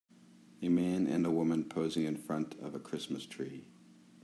A man and a woman posing in front of a christmas tree.